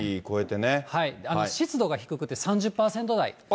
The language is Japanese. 湿度が低くて、３０％台。